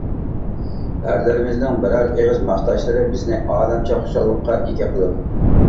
ئەرلىرىمىزنىڭ بىرەر ئېغىز ماختاشلىرى بىزنى ئالەمچە خۇشاللىققا ئىگە قىلىدۇ.